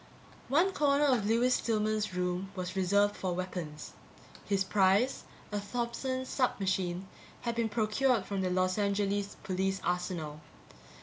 _One corner of Lewis Stillman's room was reserved for weapons. His prize, a Thompson submachine, had been procured from the Los Angeles police arsenal.